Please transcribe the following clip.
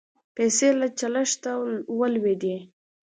پیسې له چلښته ولوېدې